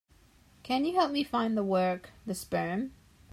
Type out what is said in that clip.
Can you help me find the work, The Sperm?